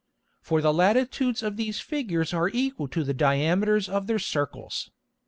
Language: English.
For the Latitudes of these Figures are equal to the Diameters of their Circles.